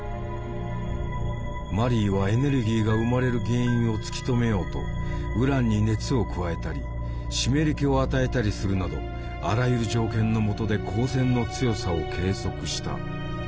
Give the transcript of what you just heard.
マリーはエネルギーが生まれる原因を突き止めようとウランに熱を加えたり湿り気を与えたりするなどあらゆる条件のもとで光線の強さを計測した。